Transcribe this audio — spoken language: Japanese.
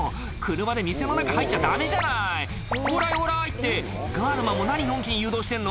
車で店の中入っちゃダメじゃない「オーライオーライ」ってガードマンも何のんきに誘導してんの？